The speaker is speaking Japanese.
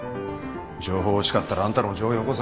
情報欲しかったらあんたの情報よこせ。